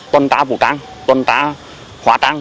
tuần ta vụ trang tuần ta hóa trang